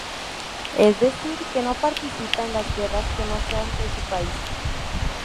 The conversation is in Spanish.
Es decir, que no participa en las guerras que no sean de su país.